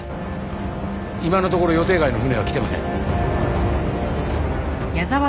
今のところ予定外の船は来ていません。